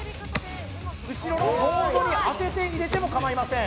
後ろのボードに当てて入れても構いません。